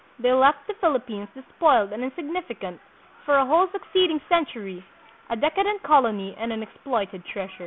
They left the Philippines despoiled and insignifi cant for a whole succeeding century, a decadent colony and an exploited treasure.